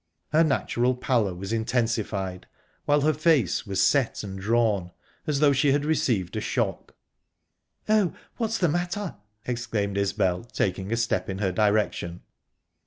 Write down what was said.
Her natural pallor was intensified, while her face was set and drawn, as though she had received a shock. "Oh, what's the matter?" exclaimed Isbel, taking a step in her direction.